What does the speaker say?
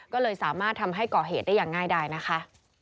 ก็เลยสามารถทำให้ก่อเหตุได้อย่างง่ายได้นะคะ